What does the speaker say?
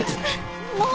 もう！